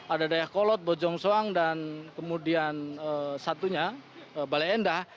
ada dayakolot bojong soang dan kemudian satunya balai endah